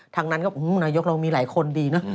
ทางนั้นก็นายกเรามีหลายคนดีนะ